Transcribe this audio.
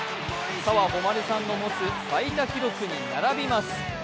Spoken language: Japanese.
澤穂希さんの持つ最多記録に並びます。